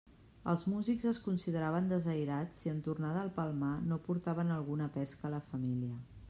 Els músics es consideraven desairats si en tornar del Palmar no portaven alguna pesca a la família.